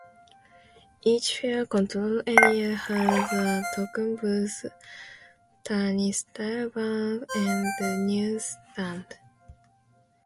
Each fare control area has a token booth, turnstile bank, and newsstand.